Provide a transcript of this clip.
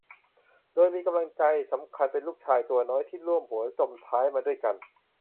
โดยมีกำลังใจสำคัญเป็นลูกชายตัวน้อยที่ร่วมหัวจมท้ายมาด้วยกัน